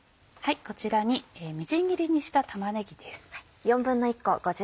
こちらにみじん切りにした玉ねぎです。